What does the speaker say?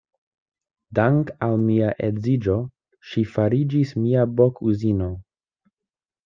Dank' al mia edziĝo, ŝi fariĝis mia bokuzino.